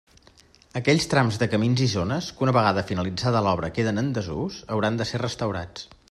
Aquells trams de camins i zones que una vegada finalitzada l'obra queden en desús, hauran de ser restaurats.